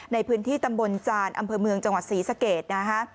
ในพื้นที่ตำบลจานอำเภอเมืองจังหวัดศรีสะเกดนะคะ